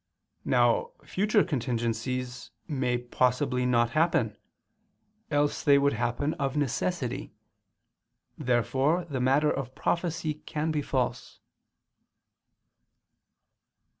Now future contingencies may possibly not happen; else they would happen of necessity. Therefore the matter of prophecy can be false.